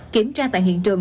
kiểm tra tại hiện trường